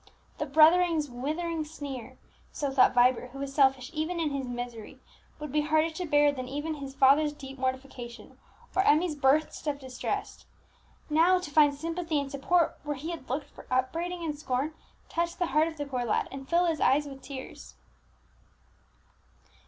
The brother's withering sneer so thought Vibert, who was selfish even in his misery would be harder to bear than even his father's deep mortification, or Emmie's burst of distress. Now to find sympathy and support, where he had looked for upbraiding and scorn, touched the heart of the poor lad, and filled his eyes with tears.